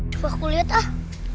coba aku liat ah